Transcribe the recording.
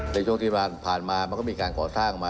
มีความรู้สึกว่ามีความรู้สึกว่า